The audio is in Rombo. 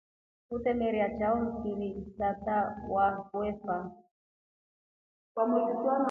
Utemela chao mfiri isata wefa.